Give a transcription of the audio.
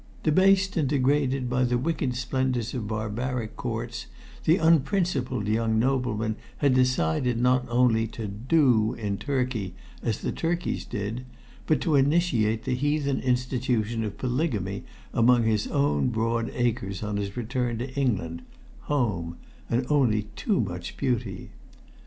"Debased and degraded by the wicked splendours of barbaric courts, the unprincipled young nobleman had decided not only to 'do in Turkey as the Turkeys did,' but to initiate the heathen institution of polygamy among his own broad acres on his return to England, home, and only too much beauty!...